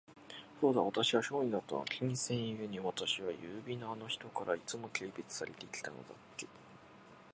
そうだ、私は商人だったのだ。金銭ゆえに、私は優美なあの人から、いつも軽蔑されて来たのだっけ。